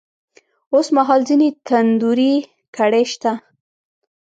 اوس مـهال ځــينې تـنـدروې کـړۍ شـتـه.